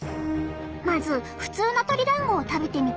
まず普通の鶏だんごを食べてみて！